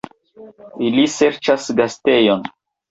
Ili serĉas gastejon!